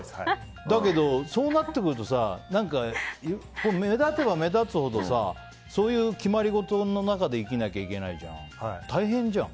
だけど、そうなってくるとさ目立てば目立つほどそういう決まりごとの中で生きなきゃいけないじゃん。大変じゃん。